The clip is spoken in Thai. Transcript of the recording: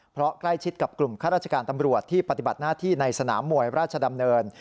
เพราะใกล้ชิดกับกลุ่มข้าราชการตำรวจที่ปฏิบัติหน้าที่ในสนามมวยราชดำเนิน